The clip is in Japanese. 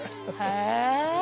へえ。